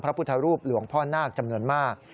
พระพุทธรูปหลวงพ่อนาคจำนวนมาก